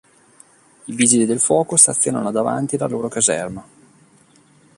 I vigili del fuoco stazionano davanti la loro caserma.